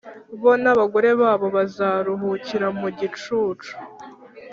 bo n’abagore babo bazaruhukira mu gicucu